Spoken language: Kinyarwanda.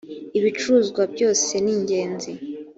ibicuruzwa byose ningenzi.